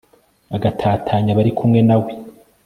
agatatanya abari kumwe na we